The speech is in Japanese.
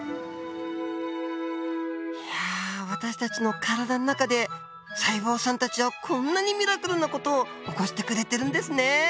いや私たちの体の中で細胞さんたちはこんなにミラクルな事を起こしてくれてるんですね。